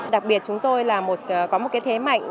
đặc biệt chúng tôi có một thế mạnh